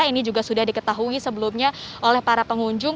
ini juga sudah diketahui sebelumnya oleh para pengunjung